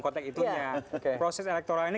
kotak itunya proses elektoral ini